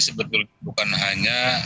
sebetulnya bukan hanya